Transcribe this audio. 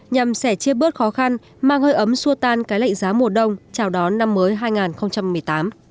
nhằm sẽ chia bước khó khăn mang hơi ấm xua tan cái lệnh giá mùa đông chào đón năm mới hai nghìn một mươi tám